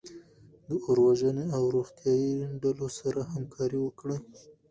د اور وژنې او روغتیایي ډلو سره همکاري وکړئ.